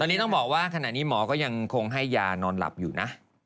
ตอนนี้ต้องบอกว่าขณะนี้หมอก็ยังคงให้ยานอนหลับอยู่นะ